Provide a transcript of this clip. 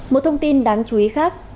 một thông tin đáng chú ý khác